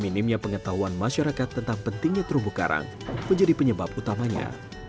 minimnya pengetahuan masyarakat tentang pentingnya terumbu karang menjadi penyebab utamanya